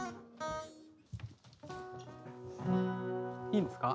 いいですか？